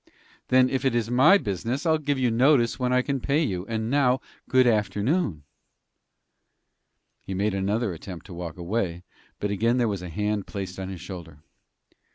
"Then, if it is my business, I'll give you notice when I can pay you. And now, good afternoon." He made another attempt to walk away, but again there was a hand placed upon his shoulder.